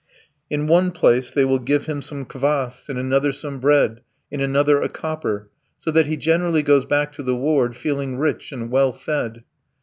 In one place they will give him some kvass, in another some bread, in another a copper, so that he generally goes back to the ward feeling rich and well fed.